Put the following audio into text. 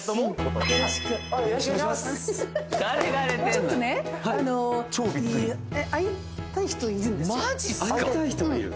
ちょっとね会いたい人がいる？